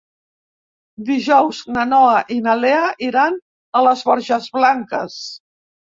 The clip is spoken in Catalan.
Dijous na Noa i na Lea iran a les Borges Blanques.